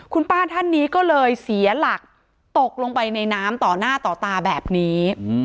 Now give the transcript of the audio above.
คุณป้าท่านนี้ก็เลยเสียหลักตกลงไปในน้ำต่อหน้าต่อตาแบบนี้